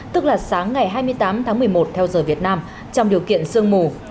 tức là sáng ngày hai mươi tám tháng một mươi một theo giờ việt nam trong điều kiện sương mù